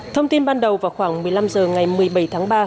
thông tin ban đầu vào khoảng một mươi năm h ngày một mươi bảy tháng ba